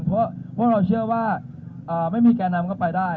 เพราะเราเชื่อว่าไม่มีแก่นำก็ไปได้